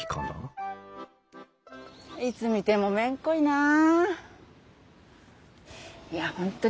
いつ見てもめんこいなあ。